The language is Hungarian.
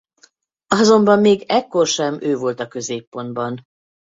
Azonban még ekkor sem ő volt a középpontban.